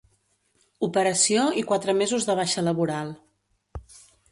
Operació i quatre mesos de baixa laboral.